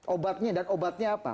obatnya dan obatnya apa